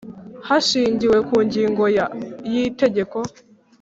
Hashingiwe ku ngingo ya y Itegeko